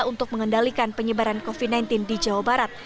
untuk mengendalikan penyebaran covid sembilan belas di jawa barat